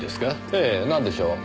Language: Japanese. ええなんでしょう？